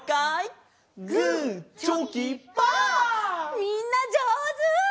みんなじょうず！